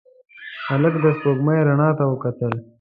هلک د سپوږمۍ رڼا ته وکتل.